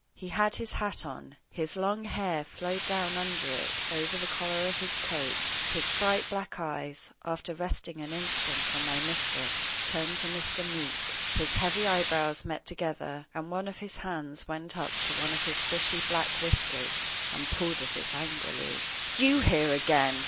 He had his hat on. His long hair flowed down under it over the collar of his coat; his bright black eyes, after resting an instant on my mistress, turned to Mr. Meeke. His heavy eyebrows met together, and one of his hands went up to one of his bushy black whiskers, and pulled at it angrily. "You here again!"